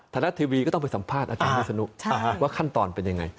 รัฐทีวีก็ต้องไปสัมภาษณ์อาจารย์วิศนุว่าขั้นตอนเป็นยังไง